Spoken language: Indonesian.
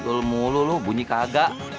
siul mulu lu bunyi kagak